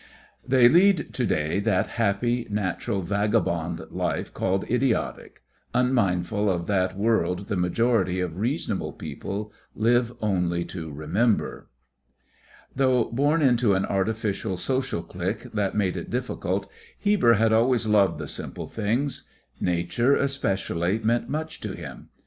They lead to day that happy, natural, vagabond life called idiotic, unmindful of that world the majority of reasonable people live only to remember. Though born into an artificial social clique that made it difficult, Heber had always loved the simple things. Nature, especially, meant much to him.